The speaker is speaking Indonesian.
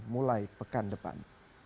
mulai pekan depan